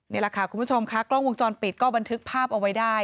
นี่แหละค่ะคุณผู้ชมค่ะกล้องวงจรปิดก็บันทึกภาพเอาไว้ได้